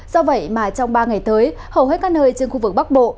do vậy mà trong ba ngày tới hầu hết các nơi trên khu vực bắc bộ